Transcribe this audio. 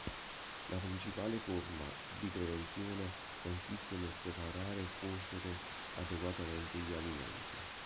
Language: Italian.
La principale forma di prevenzione consiste nel preparare e cuocere adeguatamente gli alimenti.